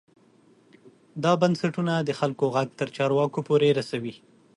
دا بنسټونه د خلکو غږ تر چارواکو پورې رسوي.